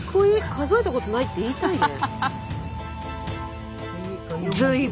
「数えたことない」って言いたいね。